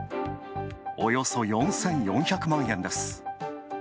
およそ４４００万円です。